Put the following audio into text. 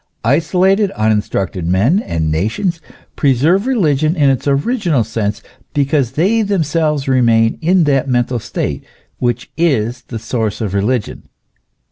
Isolated, uninstructed men and nations preserve religion in its original sense, because they themselves remain in that mental state which is the source of religion.